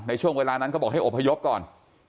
ช่วงเวลานั้นเขาบอกให้อบพยพก่อน